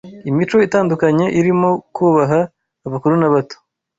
imico itandukanye irimo kubaha abakuru n’abato